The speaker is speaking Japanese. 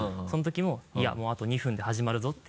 そのときも「いやもうあと２分で始まるぞ」